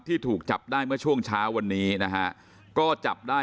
ถูกจับได้เมื่อช่วงเช้าวันนี้นะฮะก็จับได้